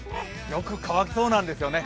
よく乾きそうなんですよね。